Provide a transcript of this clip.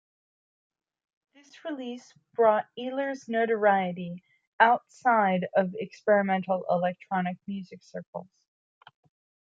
This release brought Ehlers notoriety outside of experimental electronic music circles.